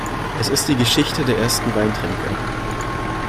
Es ist die Geschichte der ersten Weintrinker.